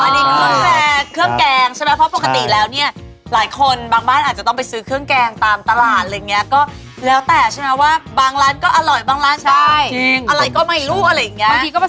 สองช้อนโต๊ะนะคะใช่ครับโอเคกรับเนี่ยครับพริกแห้งสองช้อนโต๊ะพริกแห้งสองช้อนโต๊ะ